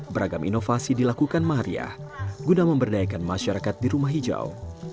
beragam inovasi dilakukan mahariah guna memberdayakan masyarakat di rumah hijau